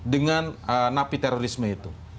dengan napi terorisme itu